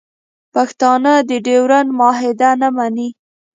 پښتانه د ډیورنډ معاهده نه مني